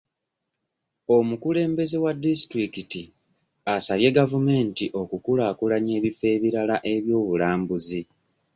Omukulembeze wa distulikiti asabye gavumenti okukulaakulanya ebifo ebirala eby'obulambuzi.